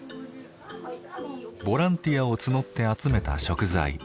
ボランティアを募って集めた食材。